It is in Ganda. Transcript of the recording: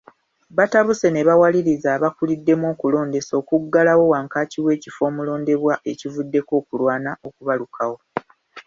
Batabuse ne bawaliriza abakuliddemu okulondesa okuggulawo wankaaki w’ekifo omulondebwa ekivuddeko okulwana okubalukawo.